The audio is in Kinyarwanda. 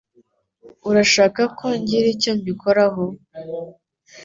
Urashaka ko ngira icyo mbikoraho?